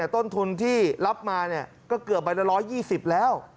ต้นทุนที่รับมาก็เกือบใบละ๑๒๐แล้ว